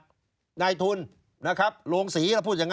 ชีวิตกระมวลวิสิทธิ์สุภาณฑ์